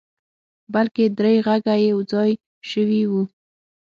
بلکې درې غږه يو ځای شوي وو.